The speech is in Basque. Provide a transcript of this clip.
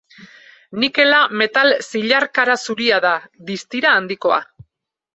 Nikela metal zilarkara zuria da, distira handikoa.